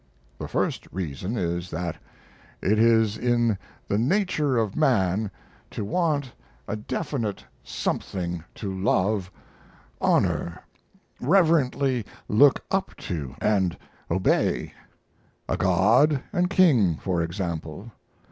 The first reason is, that it is in the nature of man to want a definite something to love, honor, reverently look up to and obey; a God and King, for example.